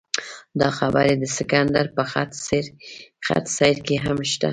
دا خبرې د سکندر په خط سیر کې هم شته.